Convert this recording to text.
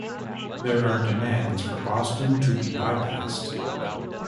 There are demands for Boston to be bypassed.